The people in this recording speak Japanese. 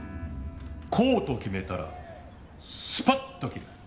こうと決めたらスパッと切る。